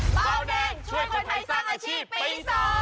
เบาแดงช่วยคนไทยสร้างอาชีพปี๒